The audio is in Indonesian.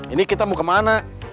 ini kita mau kemana